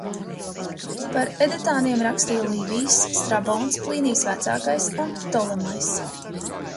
Par edetāniem rakstīja Līvijs, Strabons, Plīnijs Vecākais un Ptolemajs.